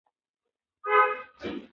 شېخ اسماعیل قبر د کسي په غره کښي دﺉ.